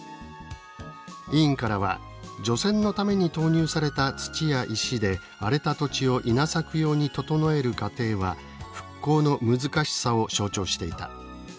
委員からは「除染のために投入された土や石で荒れた土地を稲作用に整える過程は復興の難しさを象徴していた。